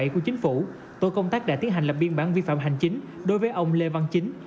của chính phủ tổ công tác đã tiến hành lập biên bản vi phạm hành chính đối với ông lê văn chính